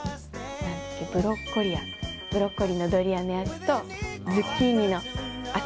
ブロッコリアブロッコリーのドリアのやつとズッキーニの浅